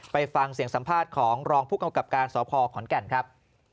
ไปฟังเสียงสัมภาษณ์ของรองผู้กำกับการสพขอนแก่นครับ